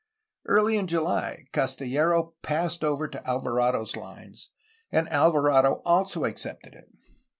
Early in July, Castillero passed over to Alvarado^s lines, — and Alvarado also accepted it!